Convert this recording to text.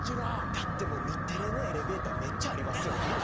だって日テレのエレベーターめっちゃありますよね。